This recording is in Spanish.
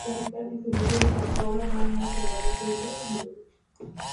Durante la Sanjurjada fue brevemente detenido junto con otros dirigentes derechistas pero fue absuelto.